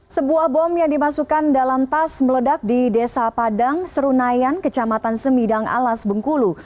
sebuah bom yang dimasukkan dalam tas meledak di desa padang serunayan kecamatan semidang alas bengkulu